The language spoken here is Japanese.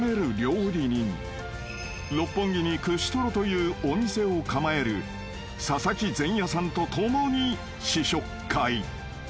［六本木に串とろというお店を構える佐々木善哉さんと共に試食会］